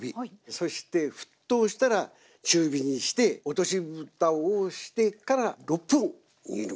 そして沸騰したら中火にして落としぶたをしてから６分煮ます。